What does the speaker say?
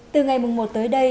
từ ngày mùng một tới đây